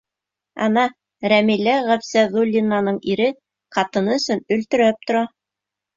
Ана, Рәмилә Ғәбсәҙуллинаның ире ҡатыны өсөн өлтөрәп тора.